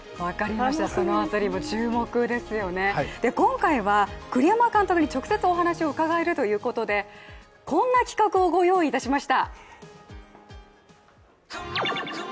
その辺りも注目ですよね、今回は栗山監督に直接お話を伺えるということでこんな企画をご用意しました。